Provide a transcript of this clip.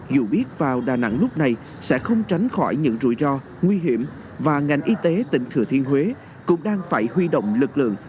dù biết vào đà nẵng lúc này sẽ không tránh khỏi những rủi ro nguy hiểm và ngành y tế tỉnh thừa thiên huế cũng đang phải huy động lực lượng